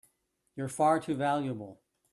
You're far too valuable!